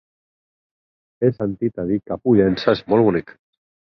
He sentit a dir que Pollença és molt bonic.